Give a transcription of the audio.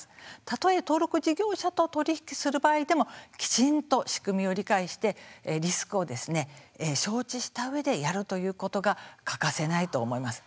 たとえ、登録事業者と取り引きする場合でもきちんと仕組みを理解してリスクを承知したうえでやるということが欠かせないと思います。